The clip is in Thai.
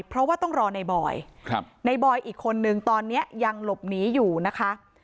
เพราะว่าต้องรอในบอยในบอยอีกคนนึงตอนนี้ยังหลบหนีอยู่นะคะ